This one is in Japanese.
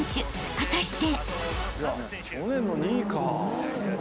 ［果たして？］